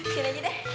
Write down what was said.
sini aja deh